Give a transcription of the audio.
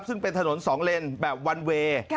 ซึ่งเป็นถนน๒เลนแบบวันเวย์